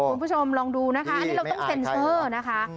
คุณผู้ชมลองดูนะคะอันนี้เราต้องเซ็นเซอร์นะคะ